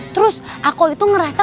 terus aku itu ngerasa